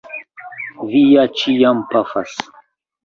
Vi ja ĉiam pafas?